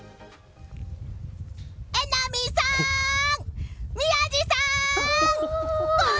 榎並さん！